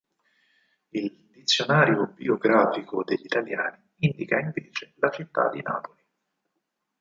Il "Dizionario biografico degli italiani" indica invece la città di Napoli.